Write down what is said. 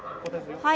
☎はい。